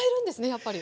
やっぱり。